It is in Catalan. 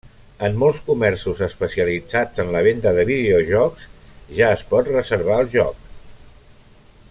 En molts comerços especialitzats en la venda de videojocs ja es pot reservar el joc.